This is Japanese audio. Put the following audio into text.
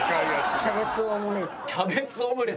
キャベツオムレツ。